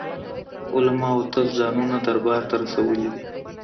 علماوو تل ځانونه دربار ته رسولي دي.